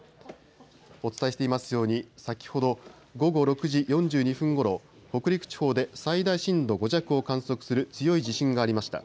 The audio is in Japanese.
お伝えしていますように先ほど午後６時４２分ごろ北陸地方で最大震度５弱を観測する強い地震がありました。